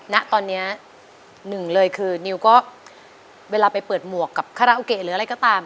ณตอนนี้หนึ่งเลยคือนิวก็เวลาไปเปิดหมวกกับคาราโอเกะหรืออะไรก็ตาม